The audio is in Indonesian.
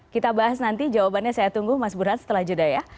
kita bahas nanti jawabannya saya tunggu mas burhan setelah jeda ya